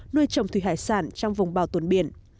nuôi trồng thủy hải sản trong vùng bảo tồn biển